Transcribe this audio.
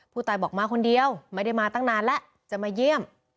ผู้ตายบอกมาคนเดียวไม่ได้มาตั้งนานแล้วจะมาเยี่ยม